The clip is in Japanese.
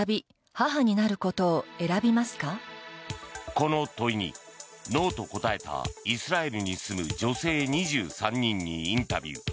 この問いにノーと答えたイスラエルに住む女性２３人にインタビュー。